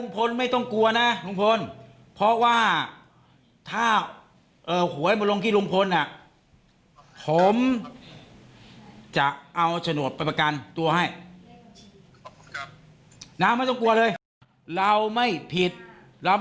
พอมาโทษลุงพลเต็มอ่ะเปิดเผยแม่งมึงมันจะไปลำบันนี้แล้ว